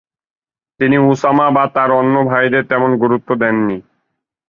তিনি উসামা বা তার অন্য ভাইদের তেমন গুরুত্ব দেননি।